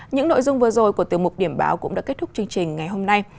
những nội dung vừa rồi của tiếng mục điểm báo cũng đã kết thúc chương trình ngày hôm nay